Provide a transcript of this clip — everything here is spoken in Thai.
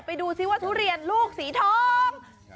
ไปดูซิว่าทุเรียนลูกสีทอง